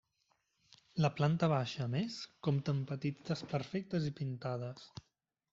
La planta baixa a més, compta amb petits desperfectes i pintades.